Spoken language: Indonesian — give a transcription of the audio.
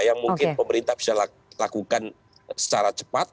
yang mungkin pemerintah bisa lakukan secara cepat